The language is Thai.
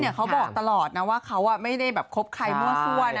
เขาบอกตลอดนะว่าเขาไม่ได้แบบคบใครมั่วซั่วนะ